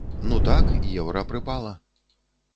Ну так, еўра прыпала.